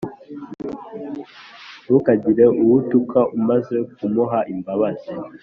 ntukagire uwo utuka, umaze kumuha imbabazi